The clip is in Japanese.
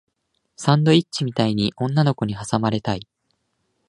サンドイッチみたいに女の子に挟まれたい